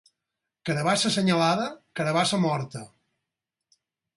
Carabassa assenyalada, carabassa morta.